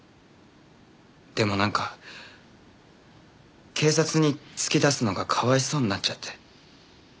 でもなんか警察に突き出すのがかわいそうになっちゃって。